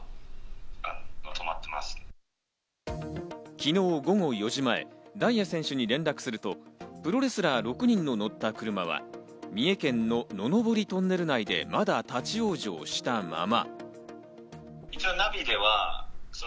昨日午後４時前、ダイヤ選手に連絡すると、プロレスラー６人の乗った車は三重県の野登トンネル内でまだ立ち往生したまま。